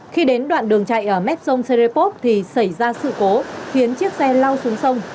khi đến đoạn đường chạy ở mép sông serepop thì xảy ra sự cố khiến chiếc xe lao xuống sông